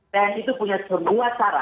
tni itu punya sebuah cara